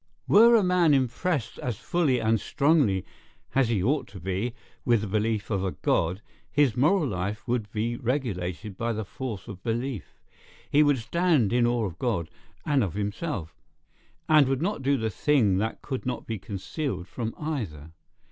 Were a man impressed as fully and strongly as he ought to be with the belief of a God, his moral life would be regulated by the force of belief; he would stand in awe of God, and of himself, and would not do the thing that could not be concealed from either.